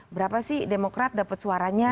berapa sih demokrat dapat suaranya